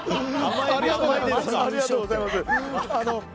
マジでありがとうございます。